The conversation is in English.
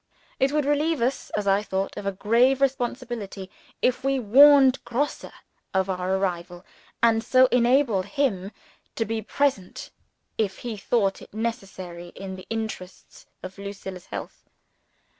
It would relieve us, as I thought, of a grave responsibility, if we warned Grosse of our arrival, and so enabled him to be present, if he thought it necessary, in the interests of Lucilla's health.